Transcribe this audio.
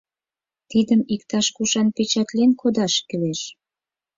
Тидым иктаж-кушан печатлен кодаш кӱлеш.